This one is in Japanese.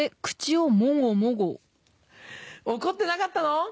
怒ってなかったの？